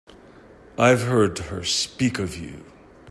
I've heard her speak of you.